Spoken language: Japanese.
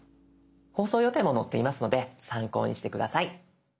放送予定も載っていますので参考にして下さい。